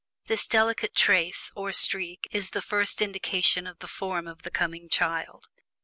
This delicate "trace" or "streak" is the first indication of the form of the coming child.